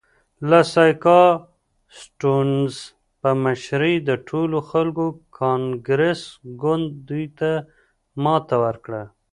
د سیاکا سټیونز په مشرۍ د ټولو خلکو کانګرس ګوند دوی ته ماته ورکړه.